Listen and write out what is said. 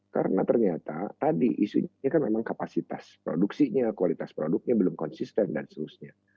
karena ternyata tadi isunya kan memang kapasitas produksinya kualitas produknya belum konsisten dan seterusnya